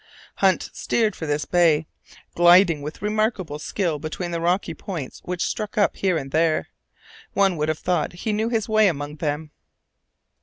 Hunt steered for this bay, gliding with remarkable skill between the rocky points which stuck up here and there. One would have thought he knew his way among them.